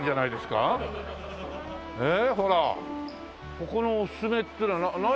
ここのおすすめっていうのは何？